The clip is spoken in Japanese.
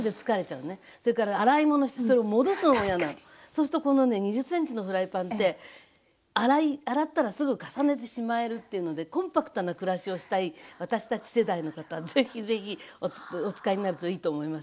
そうするとこのね２０ｃｍのフライパンって洗ったらすぐ重ねてしまえるっていうのでコンパクトな暮らしをしたい私たち世代の方はぜひぜひお使いになるといいと思いますよ。